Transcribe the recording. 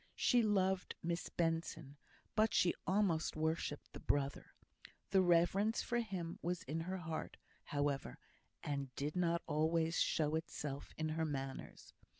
She loved Miss Benson, but she almost worshipped the brother. The reverence for him was in her heart, however, and did not always show itself in her manners.